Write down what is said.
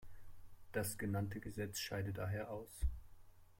Das genannte Gesetz scheide daher aus.